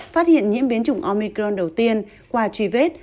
phát hiện nhiễm biến chủng omicron đầu tiên qua truy vết